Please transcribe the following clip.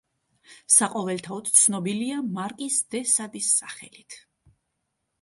საყოველთაოდ ცნობილია მარკიზ დე სადის სახელით.